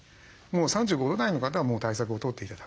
３５度台の方はもう対策をとって頂く。